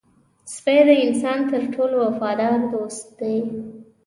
سپي د انسان تر ټولو وفادار دوست دی.